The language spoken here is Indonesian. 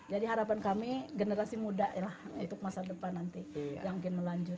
jadi harapan kami generasi muda lah untuk masa depan nanti yang mungkin melanjut